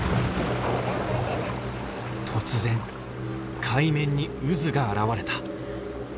突然海面に渦が現れた！